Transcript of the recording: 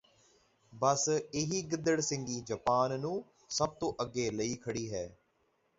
ਬਸ ਇਹੀ ਗਿਦੜ ਸਿੰਗੀ ਜਾਪਾਨ ਨੂੰ ਸਭ ਤੋਂ ਅਗੇ ਲਈ ਖੜੀ ਹੈ